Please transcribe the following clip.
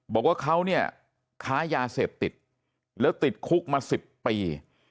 บอกว่าเขาเนี่ยค้ายาเสพติดแล้วติดคุกมา๑๐ปี